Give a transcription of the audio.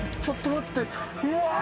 ちょっと待って。